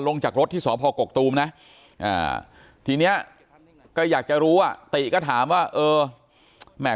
ลงจากรถที่สพกกตูมนะทีนี้ก็อยากจะรู้อ่ะติก็ถามว่าเออแหม่